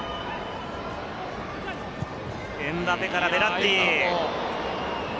エムバペからベッラッティ。